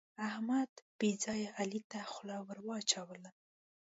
احمد بې ځایه علي ته خوله ور واچوله.